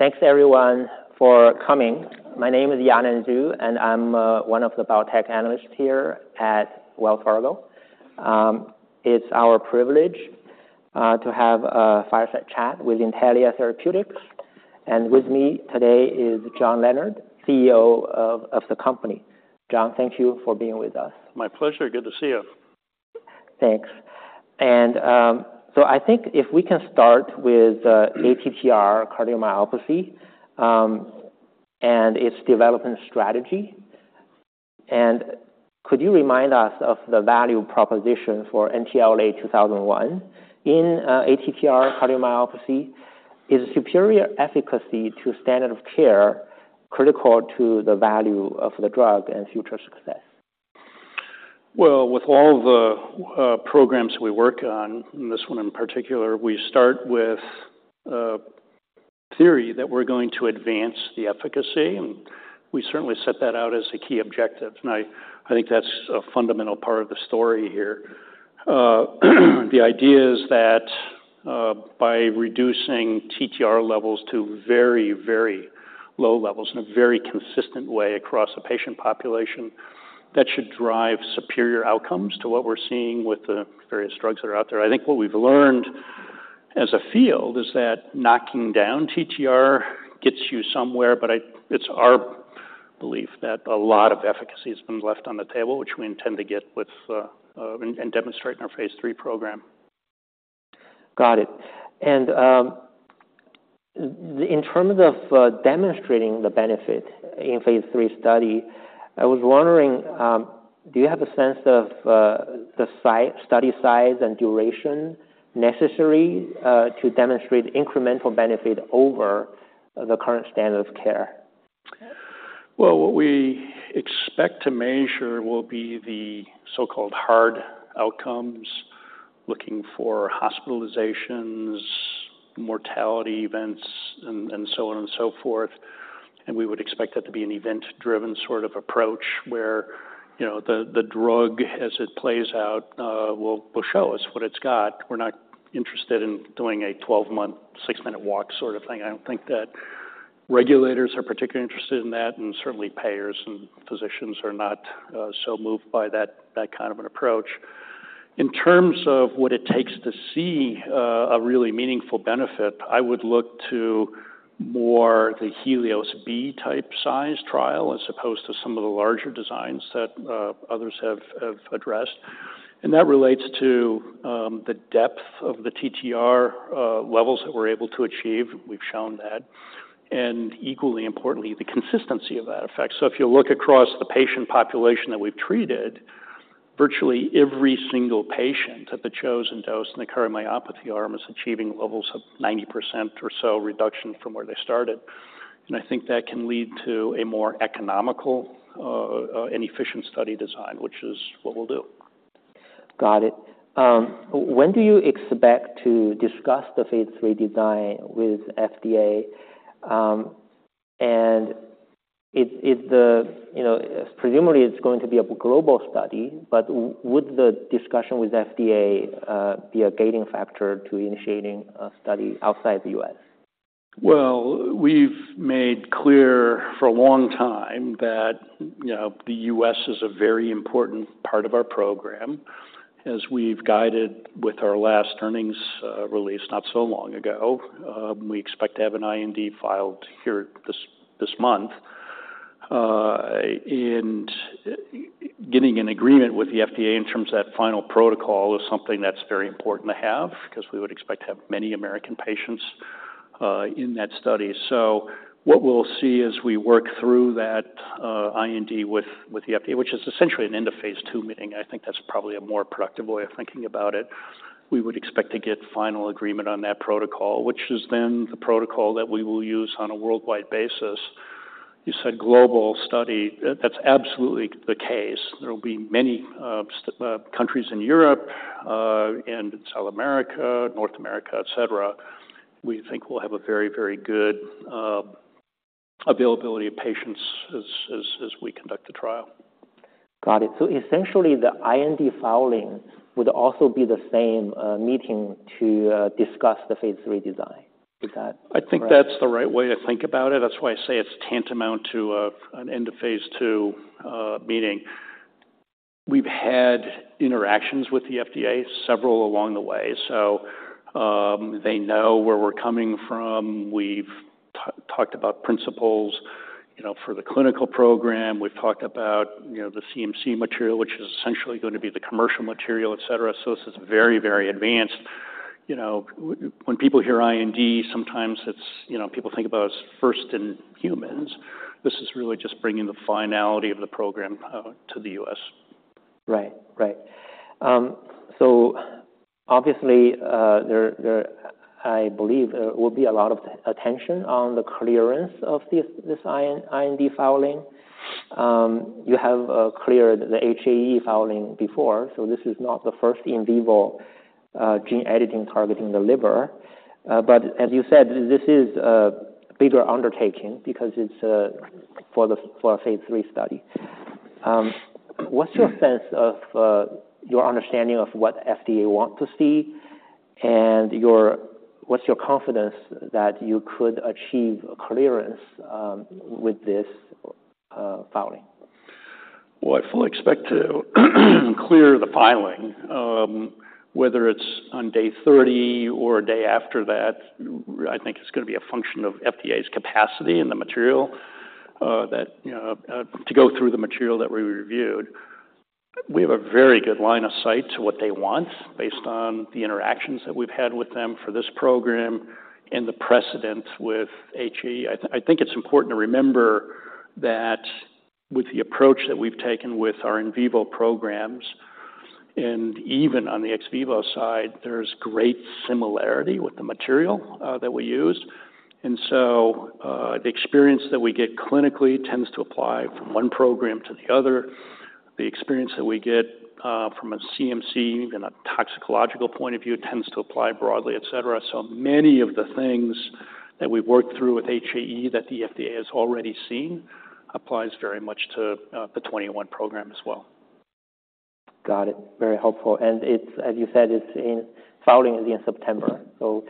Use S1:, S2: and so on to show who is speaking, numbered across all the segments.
S1: Thanks, everyone, for coming. My name is Yanan Zhu, and I'm one of the Biotech analysts here at Wells Fargo. It's our privilege to have a Fireside Chat with Intellia Therapeutics, and with me today is John Leonard, CEO of the company. John, thank you for being with us.
S2: My pleasure. Good to see you.
S1: Thanks. And, so I think if we can start with ATTR cardiomyopathy and its development strategy. And could you remind us of the value proposition for NTLA-2001 in ATTR cardiomyopathy? Is superior efficacy to standard of care critical to the value of the drug and future success?
S2: Well, with all the programs we work on, and this one in particular, we start with a theory that we're going to advance the efficacy, and we certainly set that out as a key objective. I think that's a fundamental part of the story here. The idea is that by reducing TTR levels to very, very low levels in a very consistent way across a patient population, that should drive superior outcomes to what we're seeing with the various drugs that are out there. I think what we've learned as a field is that knocking down TTR gets you somewhere, but it's our belief that a lot of efficacy has been left on the table, which we intend to get with and demonstrate in our phase III program.
S1: Got it. In terms of demonstrating the benefit in phase III study, I was wondering, do you have a sense of the size, study size, and duration necessary to demonstrate incremental benefit over the current standard of care?
S2: Well, what we expect to measure will be the so-called hard outcomes, looking for hospitalizations, mortality events, and so on and so forth. And we would expect that to be an event-driven sort of approach where, you know, the drug, as it plays out, will show us what it's got. We're not interested in doing a 12-month, six-minute walk sort of thing. I don't think that regulators are particularly interested in that, and certainly payers and physicians are not so moved by that kind of an approach. In terms of what it takes to see a really meaningful benefit, I would look to more the HELIOS-B-type size trial as opposed to some of the larger designs that others have addressed. And that relates to the depth of the TTR levels that we're able to achieve. We've shown that and, equally importantly, the consistency of that effect. So if you look across the patient population that we've treated, virtually every single patient at the chosen dose in the cardiomyopathy arm is achieving levels of 90% or so reduction from where they started, and I think that can lead to a more economical, and efficient study design, which is what we'll do.
S1: Got it. When do you expect to discuss the phase III design with FDA? And is the... You know, presumably, it's going to be a global study, but would the discussion with FDA be a gating factor to initiating a study outside the U.S.?
S2: Well, we've made clear for a long time that, you know, the U.S. is a very important part of our program. As we've guided with our last earnings release not so long ago, we expect to have an IND filed here this month. And getting an agreement with the FDA in terms of that final protocol is something that's very important to have because we would expect to have many American patients in that study. So what we'll see as we work through that IND with the FDA, which is essentially an end-of-phase II meeting. I think that's probably a more productive way of thinking about it. We would expect to get final agreement on that protocol, which is then the protocol that we will use on a worldwide basis. You said global study. That, that's absolutely the case. There will be many countries in Europe, and South America, North America, et cetera. We think we'll have a very, very good availability of patients as we conduct the trial.
S1: Got it. So essentially, the IND filing would also be the same meeting to discuss the phase III design. Is that correct?
S2: I think that's the right way to think about it. That's why I say it's tantamount to an end-of-phase II meeting. We've had interactions with the FDA several along the way, so they know where we're coming from. We've talked about principles, you know, for the clinical program. We've talked about, you know, the CMC material, which is essentially going to be the commercial material, et cetera. So this is very, very advanced. You know, when people hear IND, sometimes it's, you know, people think about it as first in humans. This is really just bringing the finality of the program to the U.S..
S1: Right. Right. So obviously, I believe there will be a lot of attention on the clearance of this IND filing. You have cleared the HAE filing before, so this is not the first in vivo gene editing targeting the liver. But as you said, this is a bigger undertaking because it's for a phase III study. What's your sense of your understanding of what FDA want to see, and your-- what's your confidence that you could achieve clearance with this filing?
S2: Well, I fully expect to clear the filing. Whether it's on day 30 or a day after that, I think it's gonna be a function of FDA's capacity and the material that, you know, to go through the material that we reviewed. We have a very good line of sight to what they want, based on the interactions that we've had with them for this program and the precedent with HAE. I think it's important to remember that with the approach that we've taken with our in vivo programs, and even on the ex vivo side, there's great similarity with the material that we use. And so, the experience that we get clinically tends to apply from one program to the other. The experience that we get from a CMC and a toxicological point of view tends to apply broadly, et cetera. So many of the things that we've worked through with HAE that the FDA has already seen applies very much to the 2001 program as well.
S1: Got it. Very helpful, and it's, as you said, it's IND filing at the end of September. So,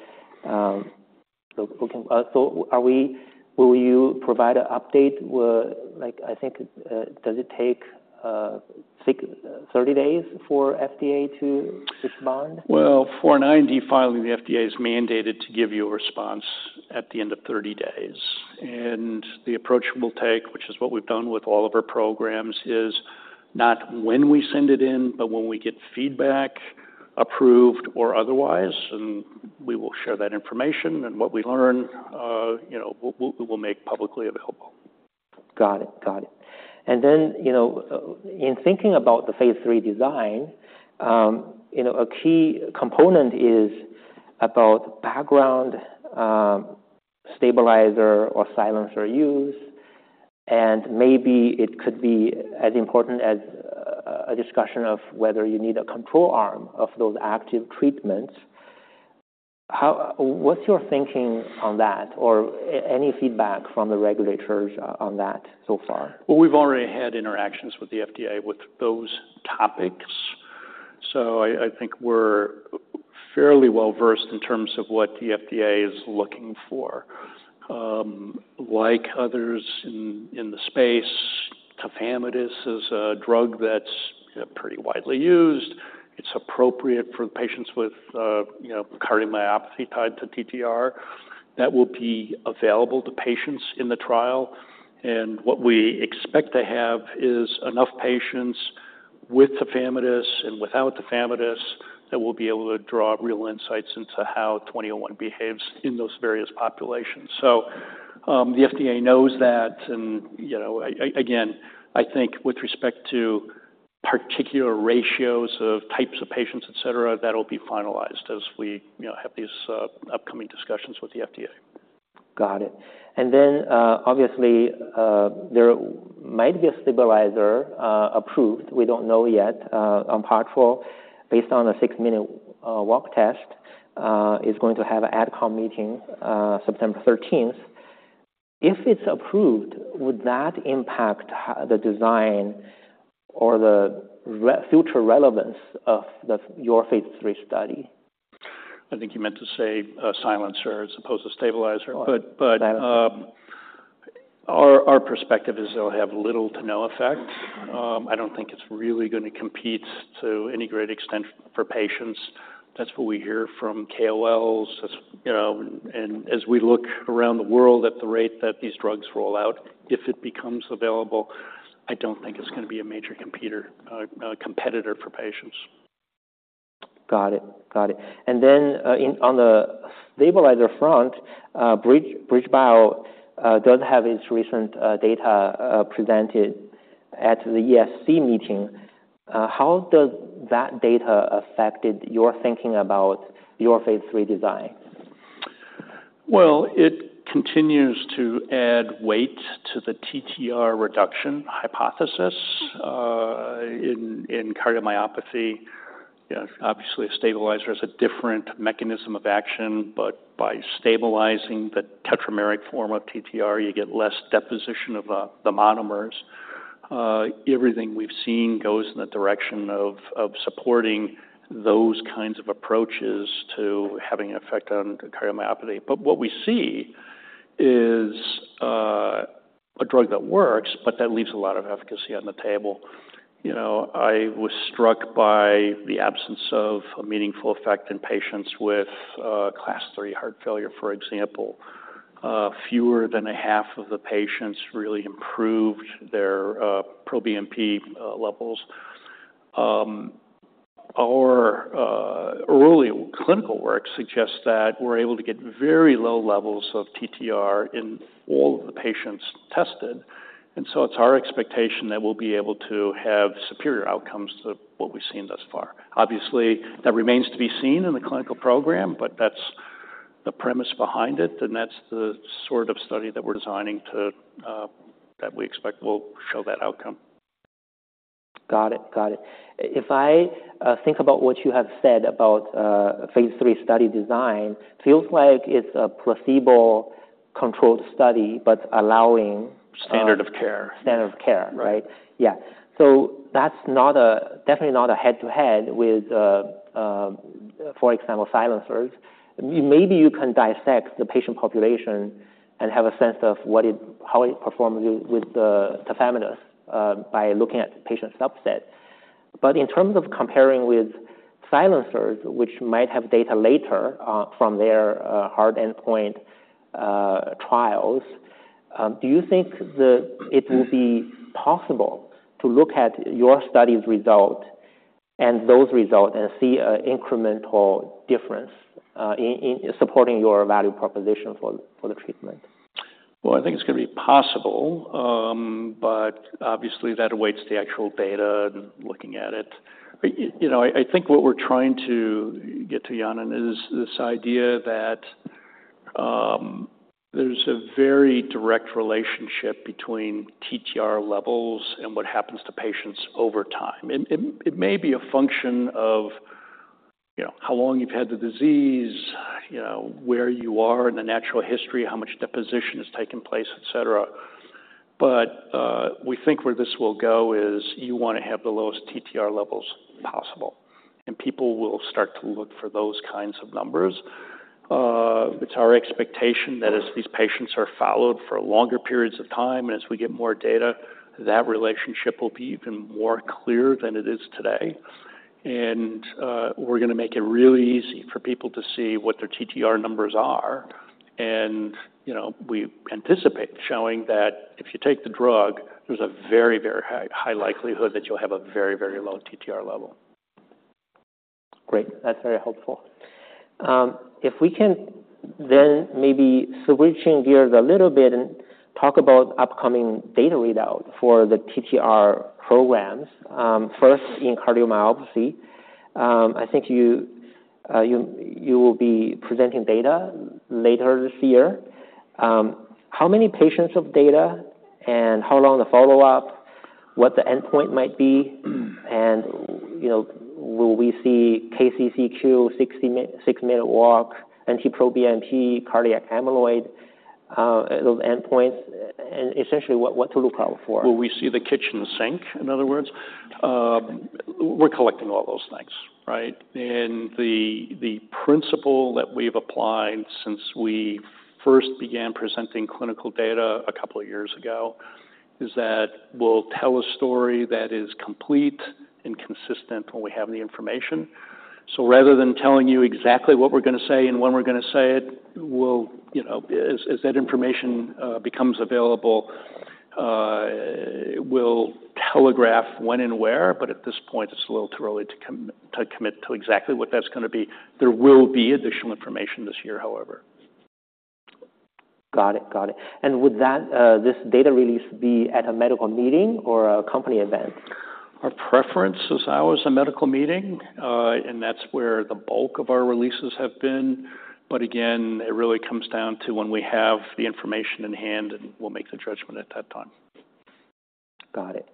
S1: will you provide an update, like, I think, does it take 60 days for FDA to respond?
S2: Well, for an IND filing, the FDA is mandated to give you a response at the end of 30 days. And the approach we'll take, which is what we've done with all of our programs, is not when we send it in, but when we get feedback, approved or otherwise, and we will share that information. And what we learn, you know, we will make publicly available.
S1: Got it. Got it. And then, you know, in thinking about the phase III design, you know, a key component is about background, stabilizer or silencer use, and maybe it could be as important as a discussion of whether you need a control arm of those active treatments. How... What's your thinking on that, or any feedback from the regulators on that so far?
S2: Well, we've already had interactions with the FDA with those topics, so I, I think we're fairly well-versed in terms of what the FDA is looking for. Like others in, in the space, tafamidis is a drug that's, you know, pretty widely used. It's appropriate for patients with, you know, cardiomyopathy tied to TTR. That will be available to patients in the trial, and what we expect to have is enough patients with tafamidis and without tafamidis, that we'll be able to draw real insights into how NTLA-2001 behaves in those various populations. So, the FDA knows that, and, you know, a- again, I think with respect to particular ratios of types of patients, et cetera, that'll be finalized as we, you know, have these, upcoming discussions with the FDA.
S1: Got it. And then, obviously, there might be a stabilizer approved, we don't know yet, on Onpattro, based on a six-minute walk test, is going to have an AdCom meeting, September 13th. If it's approved, would that impact the design or the future relevance of the, your phase III study?
S2: I think you meant to say a silencer as opposed to stabilizer.
S1: Oh, silencer.
S2: Our perspective is it'll have little to no effect. I don't think it's really going to compete to any great extent for patients. That's what we hear from KOLs. That's, you know, and as we look around the world at the rate that these drugs roll out, if it becomes available, I don't think it's gonna be a major competitor for patients.
S1: Got it. Got it. And then, in, on the stabilizer front, Bridge, BridgeBio, does have its recent, data, presented at the ESC meeting. How does that data affected your thinking about your phase III design?
S2: Well, it continues to add weight to the TTR reduction hypothesis, in cardiomyopathy. You know, obviously, a stabilizer is a different mechanism of action, but by stabilizing the tetrameric form of TTR, you get less deposition of the monomers. Everything we've seen goes in the direction of supporting those kinds of approaches to having an effect on cardiomyopathy. But what we see is a drug that works, but that leaves a lot of efficacy on the table. You know, I was struck by the absence of a meaningful effect in patients with Class III heart failure, for example. Fewer than a half of the patients really improved their proBNP levels. Our early clinical work suggests that we're able to get very low levels of TTR in all of the patients tested, and so it's our expectation that we'll be able to have superior outcomes to what we've seen thus far. Obviously, that remains to be seen in the clinical program, but that's the premise behind it, and that's the sort of study that we're designing to that we expect will show that outcome....
S1: Got it. Got it. If I think about what you have said about phase III study design, feels like it's a placebo-controlled study, but allowing-
S2: Standard of care.
S1: Standard of care, right?
S2: Yeah.
S1: Yeah. So that's not a, definitely not a head-to-head with, for example, silencers. Maybe you can dissect the patient population and have a sense of what it—how it performs with, with, tafamidis, by looking at patient subset. But in terms of comparing with silencers, which might have data later, from their, hard endpoint, trials, do you think that it will be possible to look at your study's result and those results and see an incremental difference, in, in supporting your value proposition for, for the treatment?
S2: Well, I think it's going to be possible, but obviously, that awaits the actual data and looking at it. You know, I think what we're trying to get to, Yanan, is this idea that, there's a very direct relationship between TTR levels and what happens to patients over time. And it may be a function of, you know, how long you've had the disease, you know, where you are in the natural history, how much deposition has taken place, et cetera. But, we think where this will go is you want to have the lowest TTR levels possible, and people will start to look for those kinds of numbers. It's our expectation that as these patients are followed for longer periods of time and as we get more data, that relationship will be even more clear than it is today. We're going to make it really easy for people to see what their TTR numbers are. You know, we anticipate showing that if you take the drug, there's a very, very high, high likelihood that you'll have a very, very low TTR level.
S1: Great. That's very helpful. If we can then maybe switching gears a little bit and talk about upcoming data readout for the TTR programs. First, in cardiomyopathy, I think you will be presenting data later this year. How many patients of data and how long the follow-up, what the endpoint might be, and, you know, will we see KCCQ six-minute, six-minute walk, NT-proBNP, cardiac amyloid, those endpoints, and essentially, what to look out for?
S2: Will we see the kitchen sink, in other words? We're collecting all those things, right? And the principle that we've applied since we first began presenting clinical data a couple of years ago is that we'll tell a story that is complete and consistent when we have the information. So rather than telling you exactly what we're going to say and when we're going to say it, we'll, you know, as that information becomes available, we'll telegraph when and where, but at this point, it's a little too early to commit to exactly what that's going to be. There will be additional information this year, however.
S1: Got it. Got it. And would that, this data release be at a medical meeting or a company event?
S2: Our preference is always a medical meeting, and that's where the bulk of our releases have been. But again, it really comes down to when we have the information in hand, and we'll make the judgment at that time.
S1: Got it.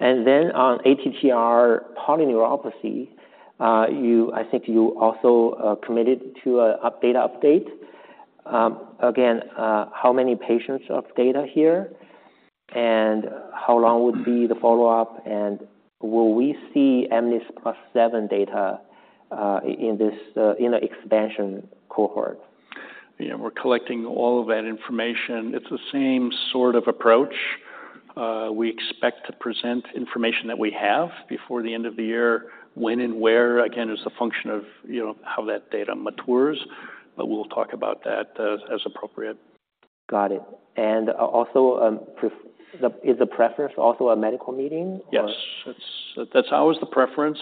S1: And then on ATTR polyneuropathy, you I think you also committed to a data update. Again, how many patients of data here, and how long would be the follow-up, and will we see mNIS+7 data in this, in the expansion cohort?
S2: Yeah, we're collecting all of that information. It's the same sort of approach. We expect to present information that we have before the end of the year. When and where, again, is a function of, you know, how that data matures, but we'll talk about that as, as appropriate.
S1: Got it. And also, is the preference also a medical meeting or?
S2: Yes. That's, that's always the preference.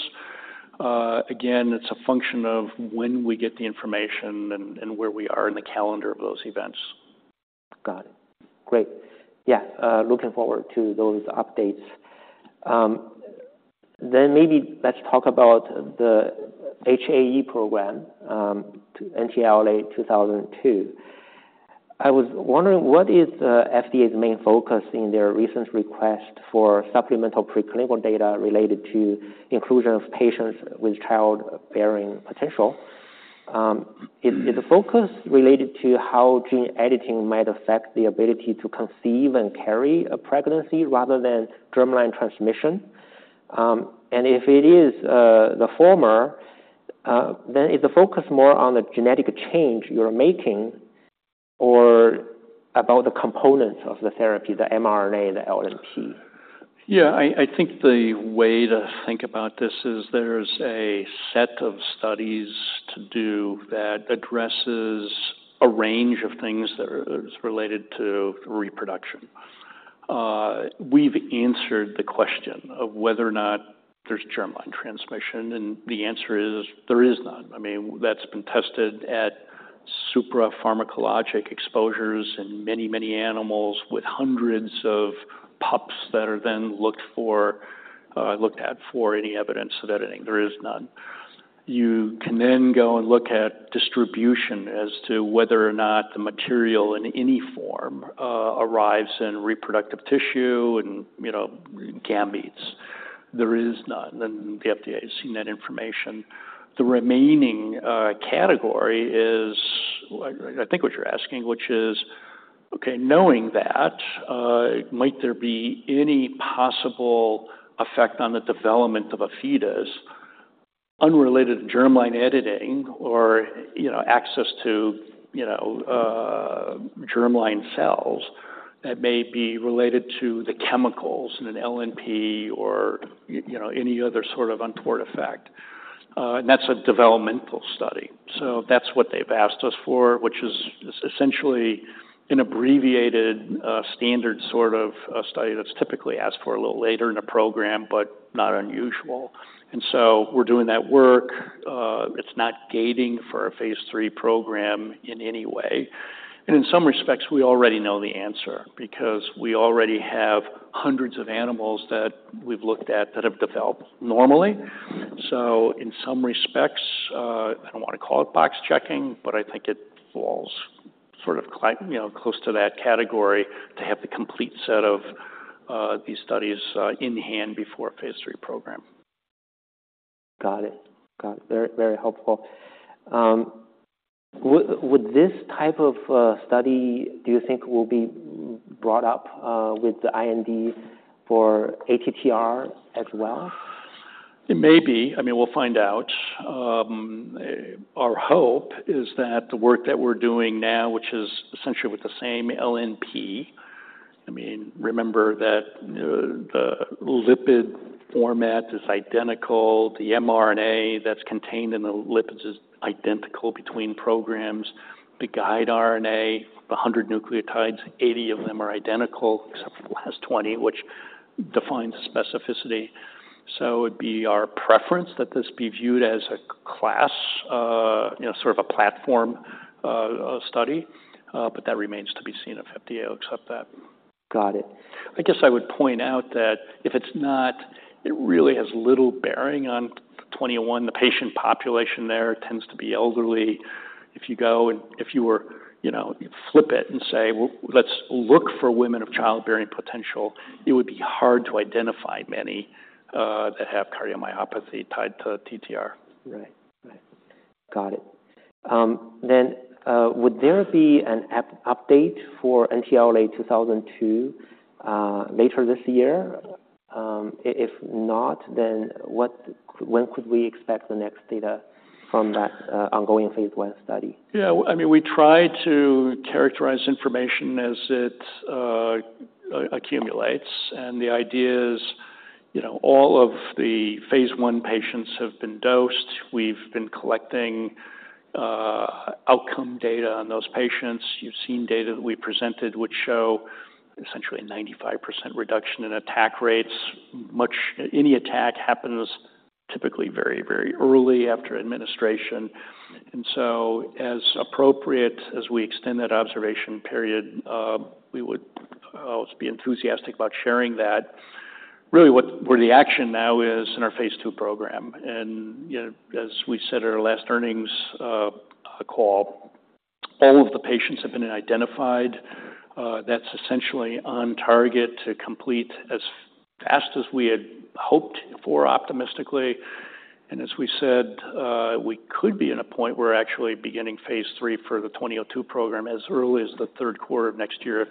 S2: Again, it's a function of when we get the information and, and where we are in the calendar of those events.
S1: Got it. Great. Yeah, looking forward to those updates. Then maybe let's talk about the HAE program, to NTLA-2002. I was wondering, what is the FDA's main focus in their recent request for supplemental preclinical data related to inclusion of patients with child-bearing potential? Is the focus related to how gene editing might affect the ability to conceive and carry a pregnancy rather than germline transmission? And if it is the former, then is the focus more on the genetic change you're making or about the components of the therapy, the mRNA, the LNP?
S2: Yeah, I think the way to think about this is there's a set of studies to do that addresses a range of things that are related to reproduction. We've answered the question of whether or not there's germline transmission, and the answer is there is none. I mean, that's been tested at suprapharmacologic exposures in many, many animals with hundreds of pups that are then looked at for any evidence of editing. There is none. You can then go and look at distribution as to whether or not the material in any form arrives in reproductive tissue and, you know, gametes. There is none, and the FDA has seen that information. The remaining category is, I think what you're asking, which is, okay, knowing that, might there be any possible effect on the development of a fetus unrelated to germline editing or, you know, access to, you know, germline cells that may be related to the chemicals in an LNP or, you know, any other sort of untoward effect? And that's a developmental study. So that's what they've asked us for, which is essentially an abbreviated standard sort of study that's typically asked for a little later in the program, but not unusual. And so we're doing that work. It's not gating for a phase III program in any way. And in some respects, we already know the answer because we already have 100s of animals that we've looked at that have developed normally. So in some respects, I don't want to call it box checking, but I think it falls sort of you know close to that category, to have the complete set of these studies in hand before a phase III program.
S1: Got it. Got it. Very, very helpful. Would this type of study, do you think, will be brought up with the IND for ATTR as well?
S2: It may be. I mean, we'll find out. Our hope is that the work that we're doing now, which is essentially with the same LNP... I mean, remember that, the lipid format is identical, the mRNA that's contained in the lipids is identical between programs. The guide RNA, the 100 nucleotides, 80 of them are identical except for the last 20, which defines specificity. So it would be our preference that this be viewed as a class, you know, sort of a platform, study, but that remains to be seen if FDA will accept that.
S1: Got it.
S2: I guess I would point out that if it's not, it really has little bearing on 2001. The patient population there tends to be elderly. If you go and if you were, you know, you flip it and say, "Well, let's look for women of childbearing potential," it would be hard to identify many that have cardiomyopathy tied to TTR.
S1: Right. Right. Got it. Then, would there be an update for NTLA-2002 later this year? If not, then what, when could we expect the next data from that ongoing phase I study?
S2: Yeah, I mean, we try to characterize information as it accumulates, and the idea is, you know, all of the phase I patients have been dosed. We've been collecting outcome data on those patients. You've seen data that we presented, which show essentially a 95% reduction in attack rates. Much, any attack happens typically very, very early after administration, and so as appropriate, as we extend that observation period, we would always be enthusiastic about sharing that. Really, what- where the action now is in our phase II program, and, you know, as we said in our last earnings call, all of the patients have been identified. That's essentially on target to complete as fast as we had hoped for optimistically, and as we said, we could be at a point where we're actually beginning phase III for the 2002 program as early as the third quarter of next year if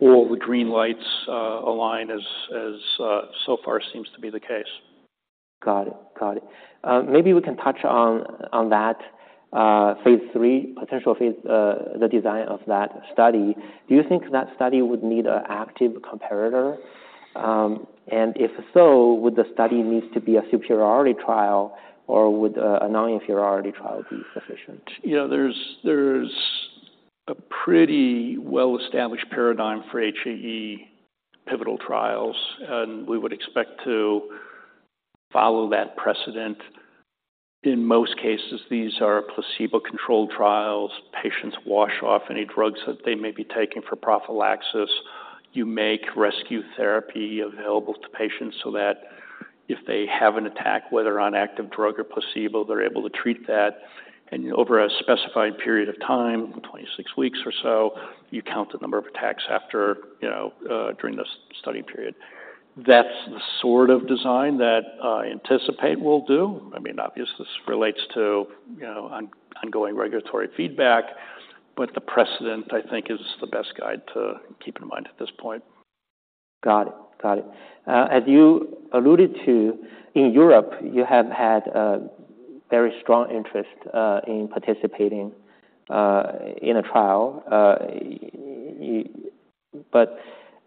S2: all the green lights align, as so far seems to be the case.
S1: Got it. Got it. Maybe we can touch on, on that, phase III, potential phase, the design of that study. Do you think that study would need an active comparator? And if so, would the study needs to be a superiority trial, or would a, a non-inferiority trial be sufficient?
S2: You know, there's a pretty well-established paradigm for HAE pivotal trials, and we would expect to follow that precedent. In most cases, these are placebo-controlled trials. Patients wash off any drugs that they may be taking for prophylaxis. You make rescue therapy available to patients so that if they have an attack, whether on active drug or placebo, they're able to treat that. And over a specified period of time, 26 weeks or so, you count the number of attacks after, you know, during this study period. That's the sort of design that I anticipate we'll do. I mean, obviously, this relates to, you know, ongoing regulatory feedback, but the precedent, I think, is the best guide to keep in mind at this point.
S1: Got it. Got it. As you alluded to, in Europe, you have had a very strong interest in participating in a trial. But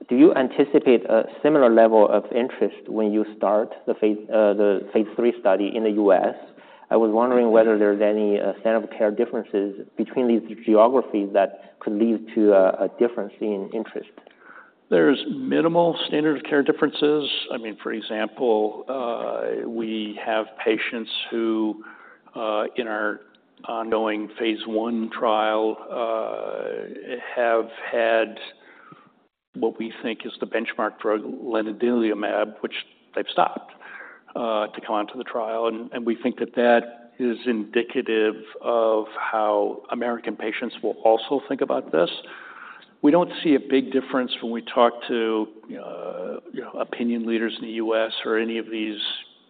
S1: do you anticipate a similar level of interest when you start the phase III study in the U.S.? I was wondering whether there's any standard of care differences between these geographies that could lead to a difference in interest.
S2: There's minimal standard of care differences. I mean, for example, we have patients who, in our ongoing phase I trial, have had what we think is the benchmark drug, lanadelumab, which they've stopped to come onto the trial. And we think that that is indicative of how American patients will also think about this. We don't see a big difference when we talk to, you know, opinion leaders in the U.S. or any of these,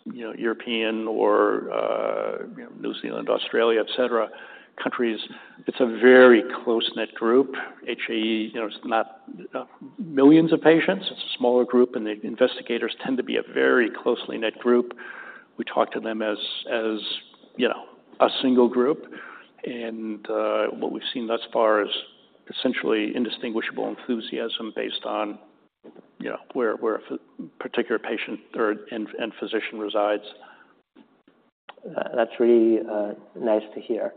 S2: you know, European or, you know, New Zealand, Australia, et cetera, countries. It's a very close-knit group. HAE, you know, it's not millions of patients. It's a smaller group, and the investigators tend to be a very closely knit group. We talk to them as, you know, a single group, and what we've seen thus far is essentially indistinguishable enthusiasm based on, you know, where a particular patient or a physician resides.
S1: That's really nice to hear,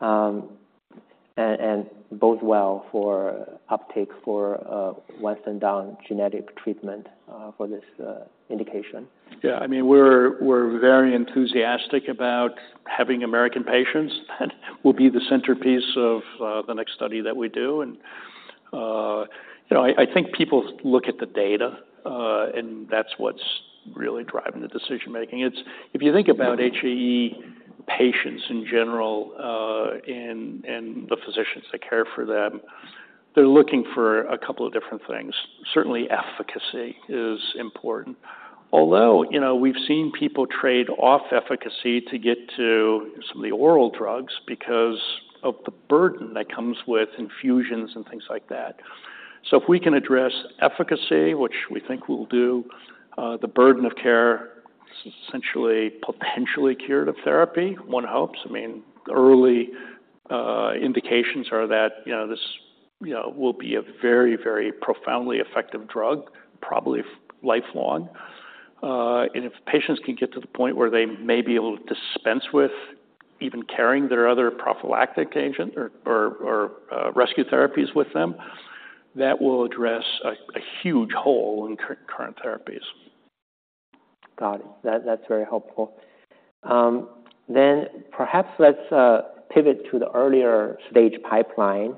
S1: and bodes well for uptake for once-and-done genetic treatment for this indication.
S2: Yeah, I mean, we're very enthusiastic about having American patients. That will be the centerpiece of the next study that we do, and you know, I think people look at the data and that's what's really driving the decision making. It's if you think about HAE patients in general, and the physicians that care for them, they're looking for a couple of different things. Certainly, efficacy is important. Although, you know, we've seen people trade off efficacy to get to some of the oral drugs because of the burden that comes with infusions and things like that. So if we can address efficacy, which we think we'll do, the burden of care, essentially potentially curative therapy, one hopes. I mean, early indications are that, you know, this, you know, will be a very, very profoundly effective drug, probably lifelong. And if patients can get to the point where they may be able to dispense with even carrying their other prophylactic agent or rescue therapies with them, that will address a huge hole in current therapies.
S1: Got it. That, that's very helpful. Then perhaps let's pivot to the earlier stage pipeline.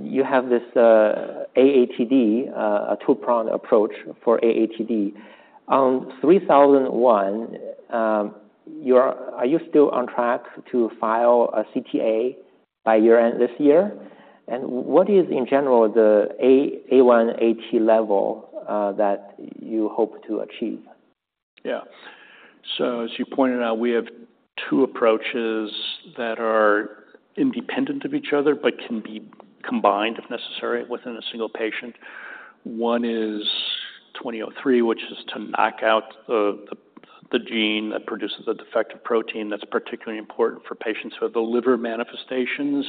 S1: You have this AATD, a two-prong approach for AATD. On 3001, you are... Are you still on track to file a CTA by year-end this year? And what is, in general, the AAT level that you hope to achieve?
S2: Yeah. So as you pointed out, we have two approaches that are independent of each other but can be combined, if necessary, within a single patient. One is 2003, which is to knock out the gene that produces a defective protein that's particularly important for patients who have the liver manifestations.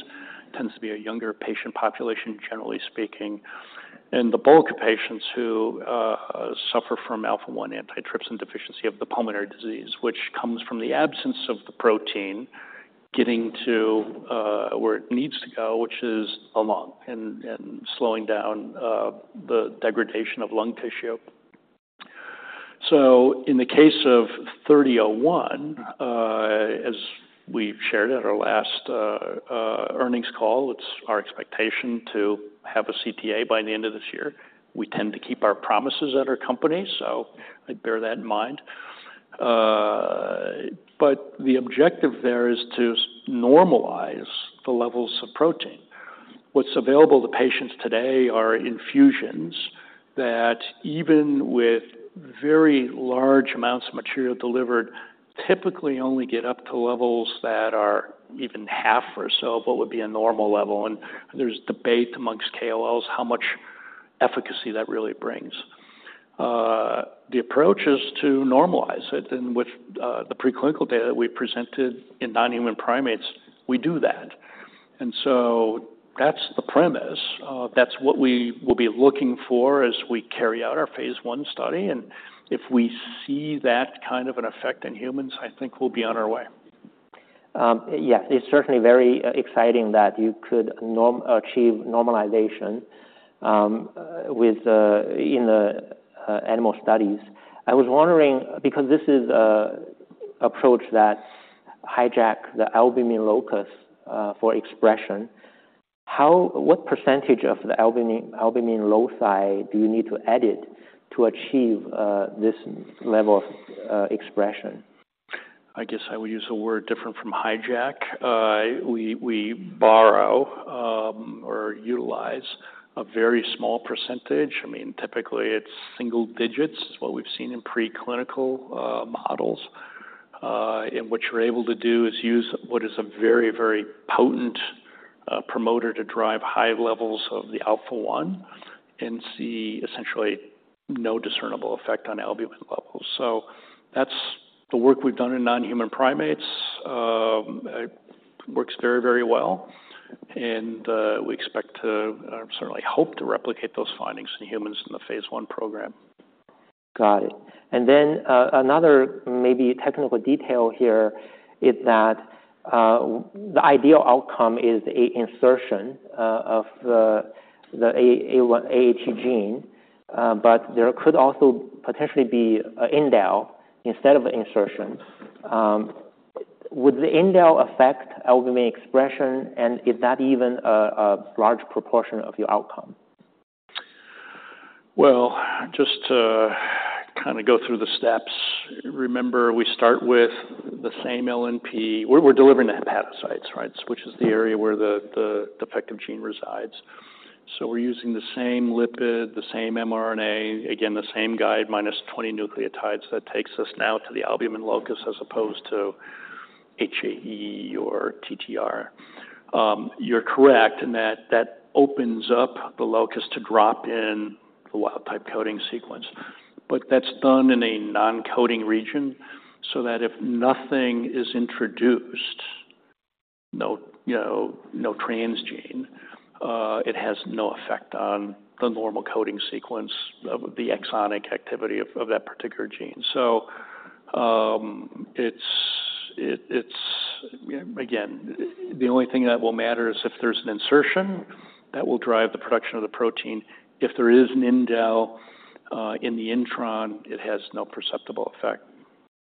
S2: Tends to be a younger patient population, generally speaking, and the bulk of patients who suffer from Alpha-1 Antitrypsin Deficiency of the pulmonary disease, which comes from the absence of the protein getting to where it needs to go, which is the lung, and slowing down the degradation of lung tissue. So in the case of 3001, as we've shared at our last earnings call, it's our expectation to have a CTA by the end of this year. We tend to keep our promises at our company, so I'd bear that in mind. But the objective there is to normalize the levels of protein. What's available to patients today are infusions that, even with very large amounts of material delivered, typically only get up to levels that are even half or so of what would be a normal level, and there's debate amongst KOLs, how much efficacy that really brings. The approach is to normalize it, and with the preclinical data that we presented in non-human primates, we do that. And so that's the premise. That's what we will be looking for as we carry out our phase one study, and if we see that kind of an effect in humans, I think we'll be on our way.
S1: Yeah, it's certainly very exciting that you could achieve normalization with in the animal studies. I was wondering, because this is a approach that hijack the Albumin locus for expression, what % of the Albumin, Albumin loci do you need to edit to achieve this level of expression?
S2: I guess I would use a word different from hijack. We, we borrow, or utilize a very small percentage. I mean, typically it's single digits, is what we've seen in preclinical models. And what you're able to do is use what is a very, very potent promoter to drive high levels of the Alpha-1 and see essentially no discernible effect on albumin levels. So that's the work we've done in non-human primates. It works very, very well, and we expect to, or certainly hope to replicate those findings in humans in the phase I program.
S1: Got it. And then, another maybe technical detail here is that, the ideal outcome is a insertion of the AAT gene, but there could also potentially be an indel instead of an insertion. Would the indel affect Albumin expression, and is that even a large proportion of your outcome?
S2: Well, just to kind of go through the steps, remember, we start with the same LNP. We're delivering the hepatocytes, right? Which is the area where the defective gene resides. So we're using the same lipid, the same mRNA, again, the same guide, -20 nucleotides. That takes us now to the Albumin locus, as opposed to HAE or TTR. You're correct in that that opens up the locus to drop in the wild type coding sequence, but that's done in a non-coding region so that if nothing is introduced, no, you know, no transgene, it has no effect on the normal coding sequence of the exonic activity of that particular gene. So, it's, again, the only thing that will matter is if there's an insertion that will drive the production of the protein. If there is an indel in the intron, it has no perceptible effect.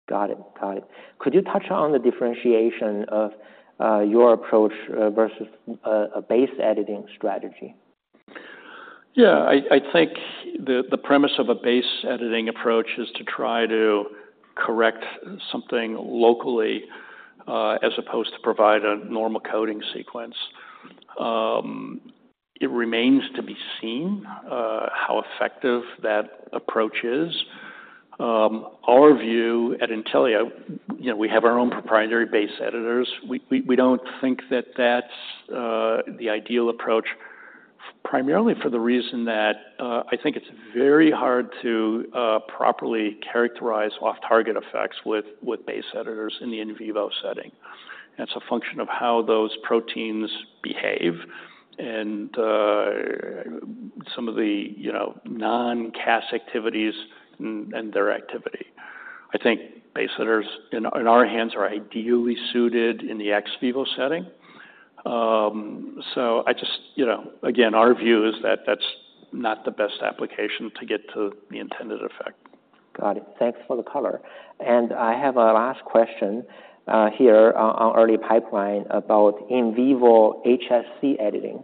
S1: Got it. Got it. Could you touch on the differentiation of your approach vs a base editing strategy?
S2: Yeah. I think the premise of a base editing approach is to try to correct something locally as opposed to provide a normal coding sequence. It remains to be seen how effective that approach is. Our view at Intellia, you know, we have our own proprietary base editors. We don't think that that's the ideal approach, primarily for the reason that I think it's very hard to properly characterize off-target effects with base editors in the in vivo setting. It's a function of how those proteins behave and some of the, you know, non-Cas activities and their activity. I think base editors in our hands are ideally suited in the ex vivo setting. So I just, you know.... Again, our view is that that's not the best application to get to the intended effect.
S1: Got it. Thanks for the color. I have a last question here on early pipeline about in vivo HSC editing.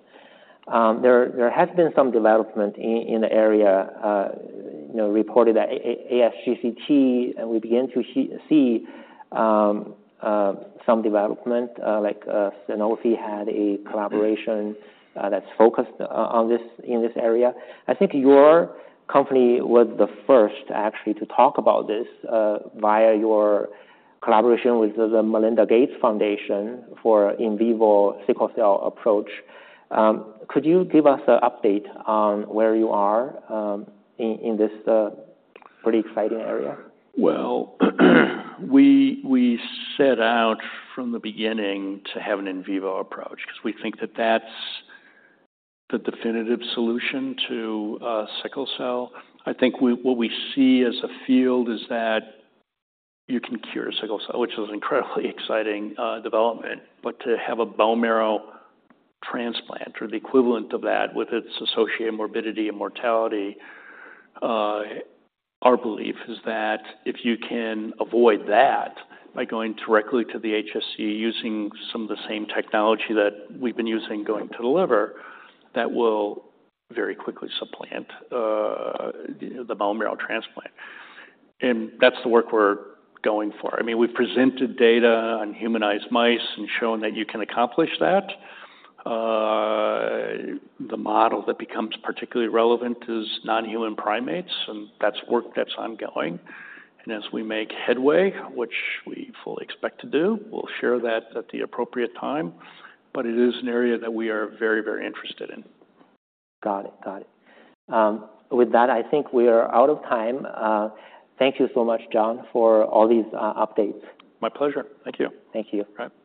S1: There has been some development in the area, you know, reported at ASGCT, and we begin to see some development. Like, Sanofi had a collaboration that's focused on this, in this area. I think your company was the first, actually, to talk about this, via your collaboration with the Bill & Melinda Gates Foundation for in vivo sickle cell approach. Could you give us an update on where you are in this pretty exciting area?
S2: Well, we set out from the beginning to have an in vivo approach because we think that that's the definitive solution to sickle cell. I think what we see as a field is that you can cure sickle cell, which is an incredibly exciting development, but to have a bone marrow transplant or the equivalent of that, with its associated morbidity and mortality, our belief is that if you can avoid that by going directly to the HSC, using some of the same technology that we've been using going to the liver, that will very quickly supplant the bone marrow transplant. And that's the work we're going for. I mean, we've presented data on humanized mice and shown that you can accomplish that. The model that becomes particularly relevant is non-human primates, and that's work that's ongoing, and as we make headway, which we fully expect to do, we'll share that at the appropriate time. But it is an area that we are very, very interested in.
S1: Got it. Got it. With that, I think we are out of time. Thank you so much, John, for all these updates.
S2: My pleasure. Thank you.
S1: Thank you.
S2: All right.